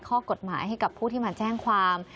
ข้อกฎหมายให้กับผู้ที่มาแจ้งความ